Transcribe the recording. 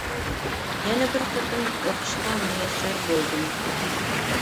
يەنە بىر قېتىم ئۇقۇشقا مۇيەسسەر بولدۇم!